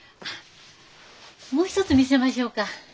もう一つ見せましょうか。